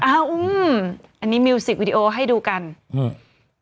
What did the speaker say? อืมอันนี้มิวสิกวิดีโอให้ดูกันอืม